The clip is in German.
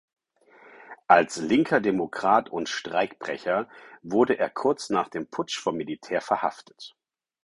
Als linker Demokrat und Streikbrecher wurde er kurz nach dem Putsch vom Militär verhaftet.